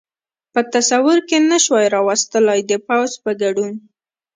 په تصور کې نه شوای را وستلای، د پوځ په ګډون.